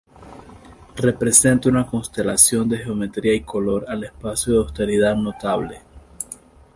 Representa una constelación de geometría y color al espacio de austeridad notable.